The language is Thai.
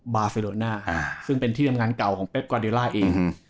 บาเฟโรน่าซึ่งเป็นที่ทำงานเก่าของเป๊กกวาเดลล่าเอง